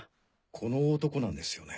この男なんですよね？